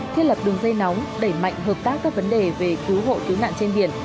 thiết lập đường dây nóng đẩy mạnh hợp tác các vấn đề về cứu hộ cứu nạn trên biển